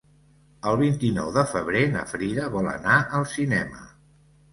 El vint-i-nou de febrer na Frida vol anar al cinema.